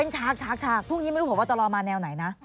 เป็นชากพรุ่งนี้ไม่รู้ผมว่าตลอมาแนวไหนนะ